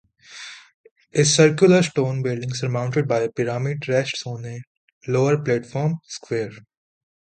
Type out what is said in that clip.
A circular stone building surmounted by a pyramid rests on a lower platform, square.